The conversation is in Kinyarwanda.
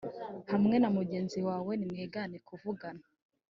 hamwe na mugenzi wawe nimwigane kuvugana